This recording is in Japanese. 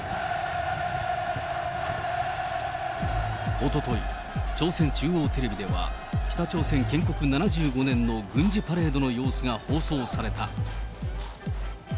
おととい、朝鮮中央テレビでは、北朝鮮建国７５年の軍事パレードの様子が放送された。